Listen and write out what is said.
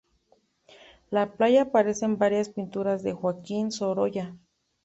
La playa aparece en varias pinturas de Joaquín Sorolla.